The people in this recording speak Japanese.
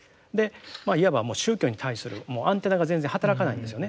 いわばもう宗教に対するアンテナが全然働かないんですよね。